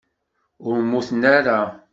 Ur mmuten ara.